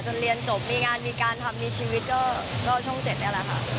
เรียนจบมีงานมีการทำมีชีวิตก็ช่อง๗นี่แหละค่ะ